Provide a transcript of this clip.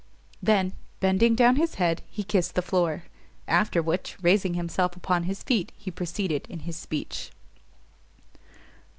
Then, bending down his head, he kissed the floor; after which, raising himself upon his feet, he proceeded in his speech.